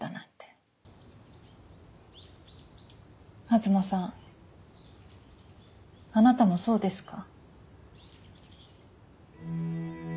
東さんあなたもそうですか？